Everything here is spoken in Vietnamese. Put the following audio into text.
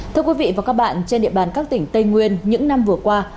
thưa quý vị và các bạn trên địa bàn các tỉnh tây nguyên những năm vừa qua